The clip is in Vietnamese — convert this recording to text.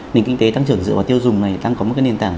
nền kinh tế tăng trưởng dựa vào tiêu dùng này đang có một cái nền tảng